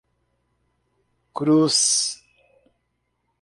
Cruz